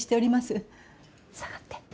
下がって。